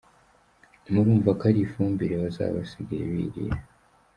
Murumva ko ari ifumbire bazaba basigaye birira.